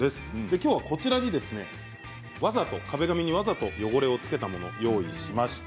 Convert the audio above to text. きょうはこちらに、壁紙にわざと汚れを付けたものを用意しました。